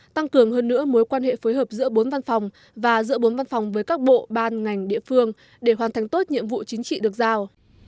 tăng cường hơn nữa mối quan hệ phối hợp giữa bốn văn phòng và giữa bốn văn phòng với các bộ ban ngành địa phương để hoàn thành tốt nhiệm vụ chính trị được giao